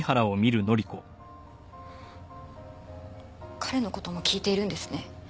彼の事も聞いているんですね。